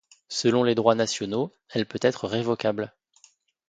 Selon les droits nationaux, elle peut être révocable.